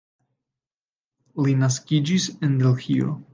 Li naskiĝis en Delhio.